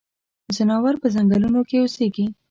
ځناور پۀ ځنګلونو کې اوسيږي.